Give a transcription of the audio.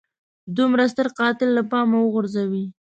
دومره ستر قتل له پامه وغورځوي.